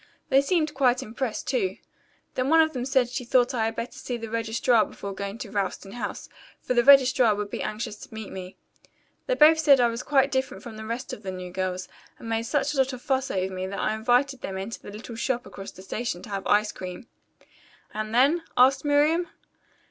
"They seemed quite impressed, too. Then one of them said she thought I had better see the registrar before going to Ralston House, for the registrar would be anxious to meet me. They both said I was quite different from the rest of the new girls, and made such a lot of fuss over me that I invited them into that little shop across from the station to have ice cream." "And then?" asked Miriam.